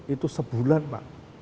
itu sebulan pak